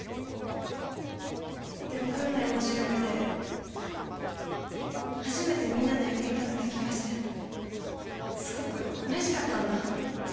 でもグーの絵文字読めて初めてみんなの役に立てた気がしてすごくうれしかったんだ。